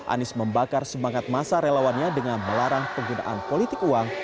anies membakar semangat masa relawannya dengan melarang penggunaan politik uang